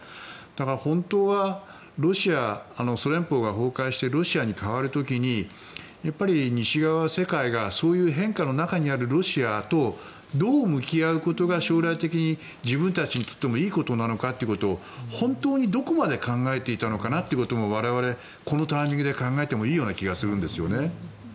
だから本当はロシア、ソ連邦が崩壊してロシアに変わる時に西側、世界がそういう変化の中にあるロシアとどう向き合うことが将来的に自分たちにとってもいいことなのかということを本当にどこまで考えていたのかなということも我々、このタイミングで考えてもいいような気がするんですよね。